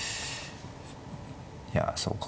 いやそうか